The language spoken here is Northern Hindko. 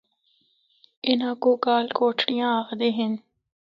اِنّاں کو کال کوٹھڑیاں آخدے ہن۔